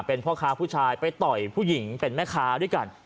เป็นพ่อค้าผู้ชายไปต่อยผู้หญิงเป็นแม่ค้าด้วยกัน